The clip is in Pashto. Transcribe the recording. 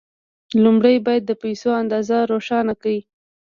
لومړی باید د پيسو اندازه روښانه کړئ.